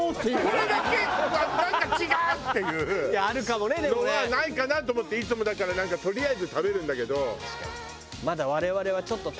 これだけはなんか違う！っていうのはないかなと思っていつもだからとりあえず食べるんだけど。